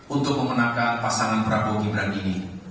untuk memenangkan pasangan prabowo gibran ini